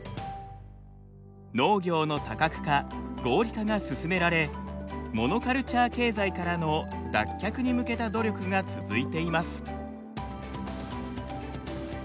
農業の多角化合理化が進められモノカルチャー経済からの脱却に向けた努力が続いています。